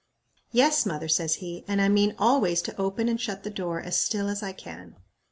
"Yes, mother," says he, "and I mean always to open and shut the door as still as I can."